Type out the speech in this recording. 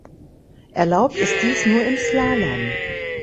Erlaubt ist dies nur im Slalom.